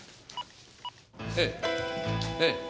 ええええ。